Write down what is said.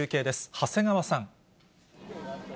長谷川さん。